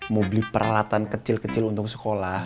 mau beli peralatan kecil kecil untuk sekolah